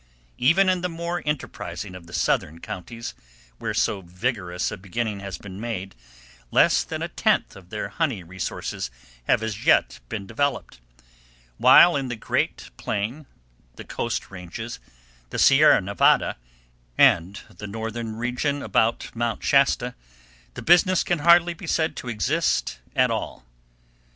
Even in the more enterprising of the southern counties, where so vigorous a beginning has been made, less than a tenth of their honey resources have as yet been developed; while in the Great Plain, the Coast Ranges, the Sierra Nevada, and the northern region about Mount Shasta, the business can hardly be said to exist at all.